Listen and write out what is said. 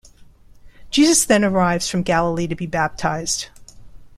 Jesus then arrives from Galilee to be baptized.